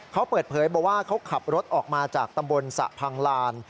เขาเปิดเผยบอกว่าเขาขับรถออกมาจากตำบลสะพังลาน